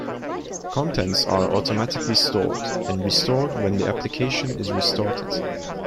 Contents are automatically stored, and restored when the application is restarted.